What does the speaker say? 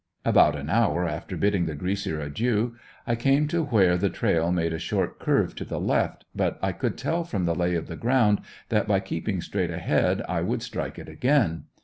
About an hour after bidding the "Greaser" adieu, I came to where the trail made a short curve to the left, but I could tell from the lay of the ground that, by keeping straight ahead, I would strike it again.